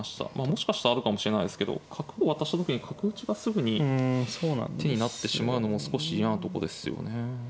もしかしたらあるかもしれないですけど角を渡した時に角打ちがすぐに手になってしまうのも少し嫌なとこですよね。